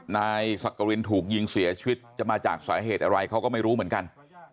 นายสักกรินถูกยิงเสียชีวิตจะมาจากสาเหตุอะไรเขาก็ไม่รู้เหมือนกัน